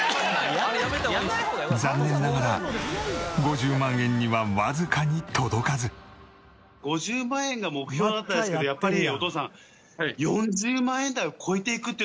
残念ながら５０万円には「やっぱりお父さん」